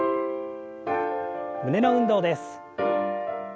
胸の運動です。